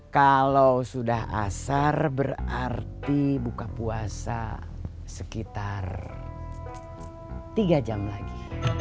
kalau sudah asar berarti buka puasa sekitar tiga jam lagi